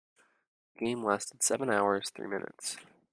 The game lasted seven hours three minutes.